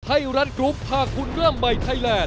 ไทยรัฐกรุ๊ปพาคุณเริ่มใหม่ไทยแลนด